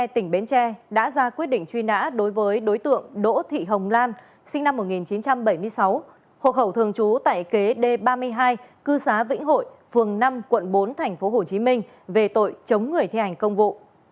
tỉnh bến tre đã ra quyết định truy nã đối với đối tượng đỗ thị hồng lan sinh năm một nghìn chín trăm bảy mươi sáu hộ khẩu thường trú tại kế d ba mươi hai cư xá vĩnh hội phường năm quận bốn tp hcm về tội chống người thi hành công vụ